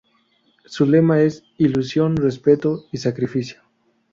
Su lema es ""Ilusión, respeto y sacrificio"".